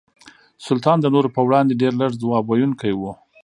سلطان د نورو په وړاندې ډېر لږ ځواب ویونکي وو.